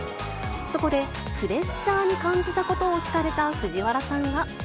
そこで、プレッシャーに感じたことを聞かれた藤原さんは。